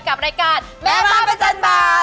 กับรายการแม่มันประจัดบัน